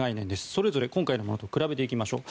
それぞれ今回のものと比べていきましょう。